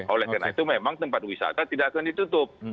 oleh karena itu memang tempat wisata tidak akan ditutup